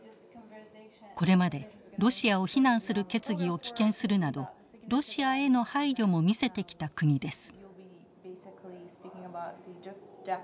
これまでロシアを非難する決議を棄権するなどロシアへの配慮も見せてきた国です。